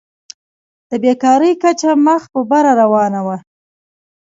د بېکارۍ کچه مخ په بره روانه وه.